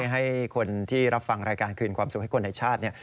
ให้คนที่รับฟังรายการคืนความสุขให้คนในชาติ